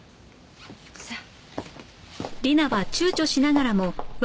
さあ。